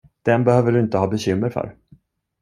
Den behöver du inte ha bekymmer för.